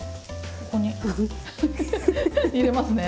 ここにフフフ入れますね。